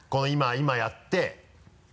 今やって。